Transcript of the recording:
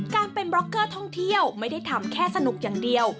การเป็นบล็อกเกอร์ท่องเที่ยวไม่ได้ทำแค่สนุกอย่างเดียว